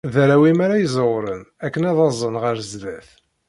D arraw-im ara iẓewren aken ad aẓen ɣer zdat.